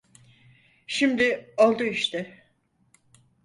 Şimdi oldu işte.